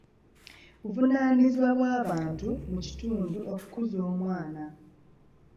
Buvunaanyizibwa bw'abantu mu kitundu okukuza omwana.